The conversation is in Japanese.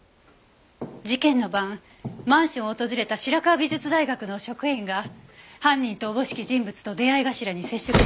事件の晩マンションを訪れた白河美術大学の職員が犯人とおぼしき人物と出合い頭に接触していました。